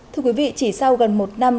thưa quý vị chỉ sau gần một năm